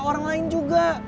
orang lain juga